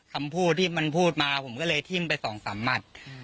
คำพูดที่มันพูดมาผมก็เลยทิ้มไปสองสามหมัด